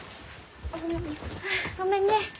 あごめんね。